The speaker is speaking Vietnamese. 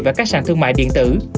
và các sản thương mại điện tử